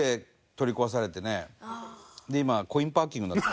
今はコインパーキングになった。